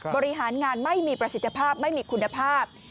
บริหารงานไม่มีประสิทธิภาพไม่มีคุณภาพ